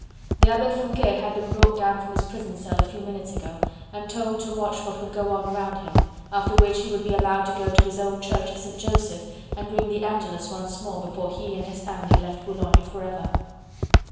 The Abbe Foucquet had been brought down from his prison cell a few minutes ago, and told to watch what would go on around him, after which he would be allowed to go to his old church of St. Joseph and ring the Angelus once more before he and his family left Boulogne forever.